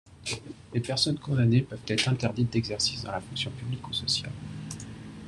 Les personnes condamnées peuvent être interdites d'exercice dans la fonction publique ou sociale.